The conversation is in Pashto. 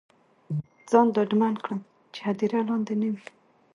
ځان ډاډمن کړم چې هدیره لاندې نه وي.